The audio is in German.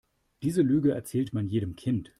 Diese Lüge erzählt man jedem Kind.